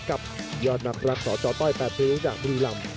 กับยอดนักรักษ์สจต้อยแปบพลิงจากพี่รำ